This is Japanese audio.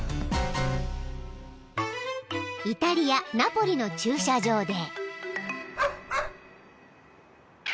［イタリアナポリの駐車場で］